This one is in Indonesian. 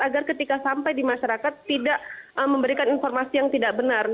agar ketika sampai di masyarakat tidak memberikan informasi yang tidak benar